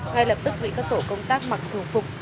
ngay lập tức bị các tổ công tác mặc thường phục